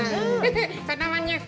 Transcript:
こどもニュース